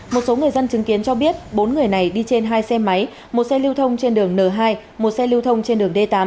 một số người dân chứng kiến cho biết bốn người này đi trên hai xe máy một xe lưu thông trên đường n hai một xe lưu thông trên đường d tám